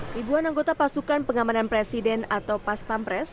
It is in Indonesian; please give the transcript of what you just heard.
ribuan anggota pasukan pengamanan presiden atau pas pampres